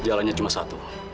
jalannya cuma satu